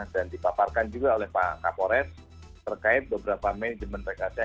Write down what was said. dipaparkan juga oleh pak kapolres terkait beberapa manajemen pks